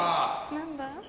何だ？